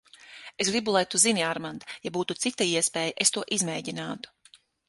Es gribu, lai tu zini, Armand, ja būtu cita iespēja, es to izmēģinātu.